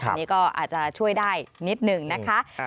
อันนี้ก็อาจจะช่วยได้นิดหนึ่งนะคะ